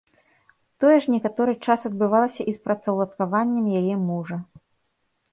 Тое ж некаторы час адбывалася і з працаўладкаваннем яе мужа.